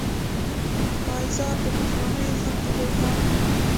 پایزار د پخوانیو خلکو بوټان وو.